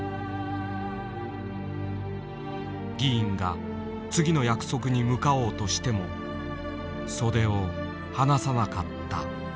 議員が次の約束に向かおうとしても袖を離さなかった。